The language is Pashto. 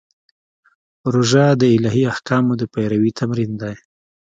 روژه د الهي احکامو د پیروي تمرین دی.